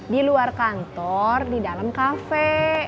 di luar kantor di dalam kafe